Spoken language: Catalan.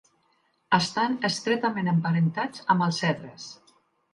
Estan estretament emparentats amb els cedres.